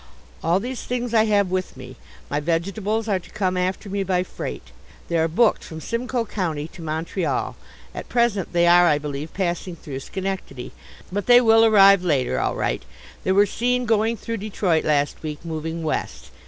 All these things I have with me. My vegetables are to come after me by freight. They are booked from Simcoe County to Montreal; at present they are, I believe, passing through Schenectady. But they will arrive later all right. They were seen going through Detroit last week, moving west.